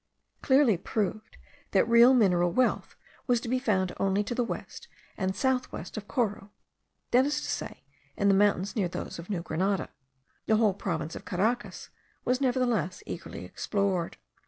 clearly proved that real mineral wealth was to be found only to the west and south west of Coro (that is to say, in the mountains near those of New Grenada), the whole province of Caracas was nevertheless eagerly explored.